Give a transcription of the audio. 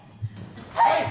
はい！